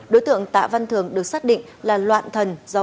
đối tượng tạ văn thường được xác định là loạn thần do uống rượu